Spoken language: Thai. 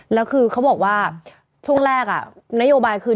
แล้วคือเขาบอกว่าช่วงแรกนโยบายคือ